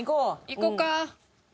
いこうか。